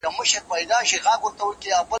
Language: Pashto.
صرف فرق دادى